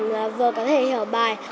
và vừa có thể hiểu bài